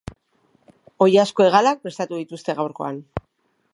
Oilasko hegalak prestatu dituzte gaurkoan.